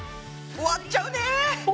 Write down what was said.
終わっちゃう！